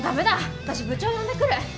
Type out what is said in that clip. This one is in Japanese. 私部長呼んでくる！